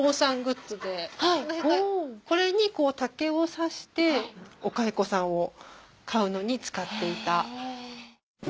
これに竹をさしてお蚕さんを飼うのに使っていた。